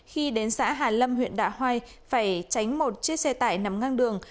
khi đến xã hà lâm huyện đạ hoai phải tránh một chiếc xe tải nằm ngang đường